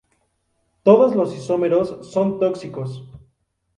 Todos los isómeros son tóxicos.